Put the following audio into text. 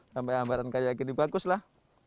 sampai ambaran kayak gini bagus lah